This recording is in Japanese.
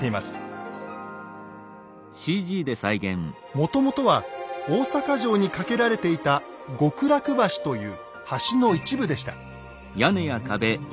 もともとは大坂城に架けられていた「極楽橋」という橋の一部でした。